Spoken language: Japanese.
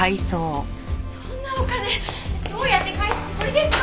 そんなお金どうやって返すつもりですか？